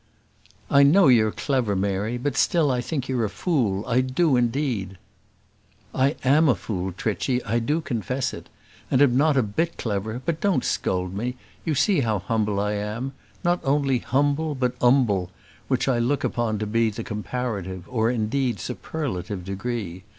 "I know you're clever, Mary; but still I think you're a fool. I do, indeed." "I am a fool, Trichy, I do confess it; and am not a bit clever; but don't scold me; you see how humble I am; not only humble but umble, which I look upon to be the comparative, or, indeed, superlative degree.